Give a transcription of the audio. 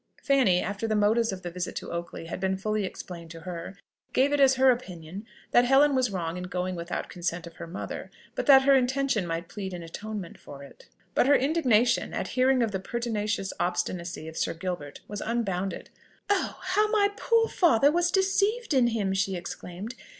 Fanny, after the motives of the visit to Oakley had been fully explained to her, gave it as her opinion that Helen was wrong in going without the consent of her mother, but that her intention might plead in atonement for it. But her indignation at hearing of the pertinacious obstinacy of Sir Gilbert was unbounded. "Oh! how my poor father was deceived in him!" she exclaimed.